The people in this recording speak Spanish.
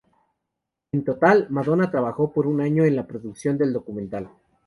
En total, Madonna trabajó por un año en la producción del documental.